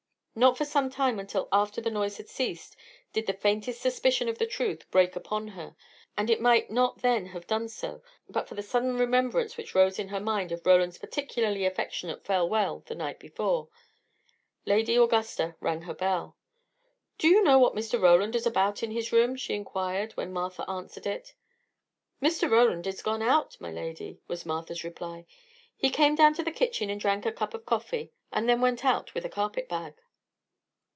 Not for some time until after the noise had ceased did the faintest suspicion of the truth break upon her; and it might not then have done so, but for the sudden remembrance which rose in her mind of Roland's particularly affectionate farewell the night before. Lady Augusta rang her bell. "Do you know what Mr. Roland is about in his room?" she inquired, when Martha answered it. "Mr. Roland is gone out, my lady," was Martha's reply. "He came down to the kitchen and drank a cup of coffee; and then went out with a carpet bag."